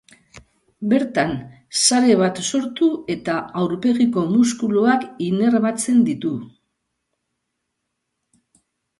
Bertan, sare bat sortu eta aurpegiko muskuluak inerbatzen ditu.